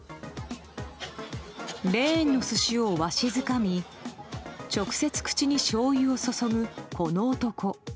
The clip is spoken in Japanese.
レーンの寿司をわしづかみ直接口にしょうゆを注ぐこの男。